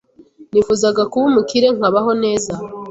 nifuzaga kuba umukire nkabaho neza,